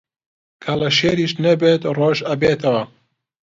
کەڵەشێریش نەبێت ڕۆژ ئەبێتەوە